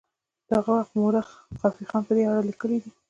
د هغه وخت مورخ خافي خان په دې اړه لیکلي دي.